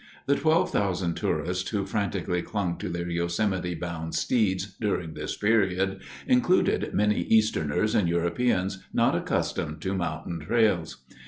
The twelve thousand tourists, who frantically clung to their Yosemite bound steeds during this period, included many Easterners and Europeans not accustomed to mountain trails.